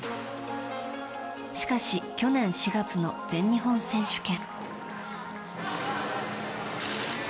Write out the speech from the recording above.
しかし、去年４月の全日本選手権。